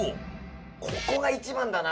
ここが一番だな